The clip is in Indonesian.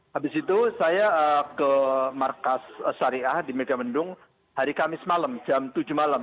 habis itu saya ke markas syariah di megamendung hari kamis malam jam tujuh malam